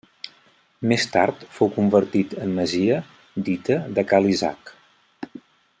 Més tard fou convertit en masia, dita de Ca l'Isaac.